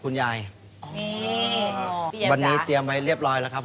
ร้านนี้เปิดมาเกือบ๓๐ปีแล้วครับ